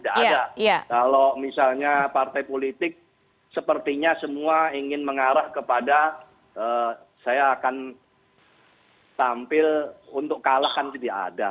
kalau misalnya partai politik sepertinya semua ingin mengarah kepada saya akan tampil untuk kalah kan tidak ada